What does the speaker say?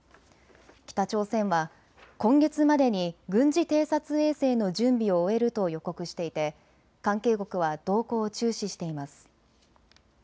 北朝鮮は今月までに軍事偵察衛星の準備を終えると予告していて関係国は動向を注視しています。